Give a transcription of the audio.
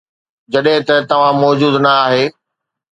جڏهن ته توهان موجود نه آهي